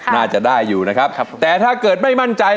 ไม่ใช้ไม่ใช้ไม่ใช้